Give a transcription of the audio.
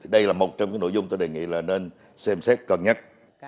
đây là một trong nội dung tôi đề nghị là nên xem xét cân nhắc